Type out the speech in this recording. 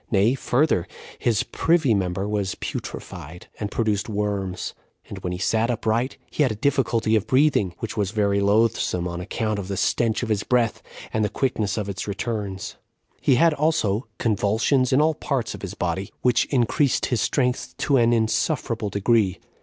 Nay, further, his privy member was putrefied, and produced worms; and when he sat upright, he had a difficulty of breathing, which was very loathsome, on account of the stench of his breath, and the quickness of its returns; he had also convulsions in all parts of his body, which increased his strength to an insufferable degree.